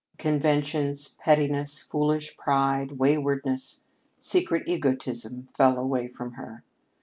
Conventions, pettiness, foolish pride, waywardness, secret egotism, fell away from her.